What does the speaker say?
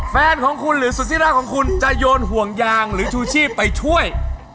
แฟนของคุณหรือสุธิราของคุณจะโยนห่วงยางหรือชูชีพไปช่วย